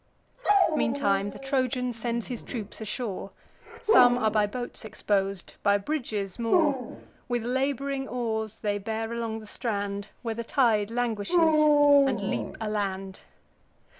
Meantime the Trojan sends his troops ashore: Some are by boats expos'd, by bridges more. With lab'ring oars they bear along the strand, Where the tide languishes, and leap a land.